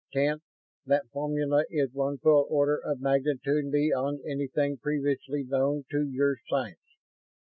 "Tenth, that formula is one full order of magnitude beyond anything previously known to your science.